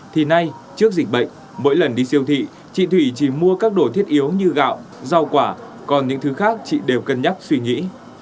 thì nay trước dịch bệnh mỗi lần đi siêu thị chị thủy chỉ mua các đồ thiết yếu như gạo rau quả còn những thứ khác chị đều cân nhắc suy nghĩ